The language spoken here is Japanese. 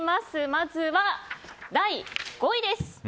まずは第５位です。